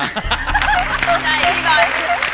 ขอบใจพี่หน่อย